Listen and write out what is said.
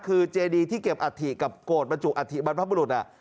คือเจดีที่เก็บอัฐิกับโกรธบรรจุอัฐิบรรพบุรุษ